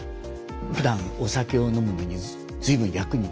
ふだんお酒を飲むのに随分役に立ちますよね。